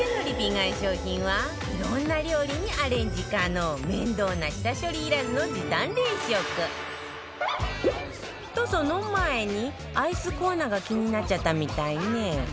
買い商品はいろんな料理にアレンジ可能面倒な下処理いらずの時短冷食と、その前にアイスコーナーが気になっちゃったみたいね